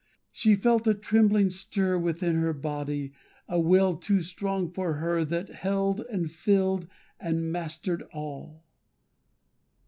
She felt a trembling stir Within her body, a will too strong for her That held and filled and mastered all.